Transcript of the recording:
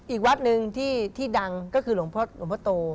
อีกวัดหนึ่งที่ดังก็คือหลวงพระโตร